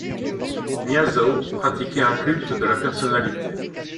Nyýazow pratiquait un culte de la personnalité.